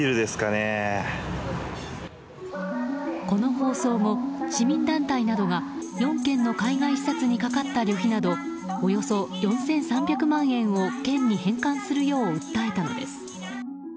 この放送後、市民団体などが４件の海外視察にかかった旅費などおよそ４３００万円を県に返還するよう訴えたのです。